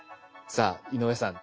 さあ井上さん